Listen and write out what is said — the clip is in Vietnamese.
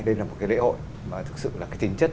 đây là một cái lễ hội mà thực sự là cái tính chất